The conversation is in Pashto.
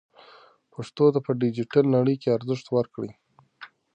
پښتو ته په ډیجیټل نړۍ کې ارزښت ورکړئ.